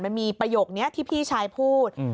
มันมีประโยคนี้ที่พี่ชายพูด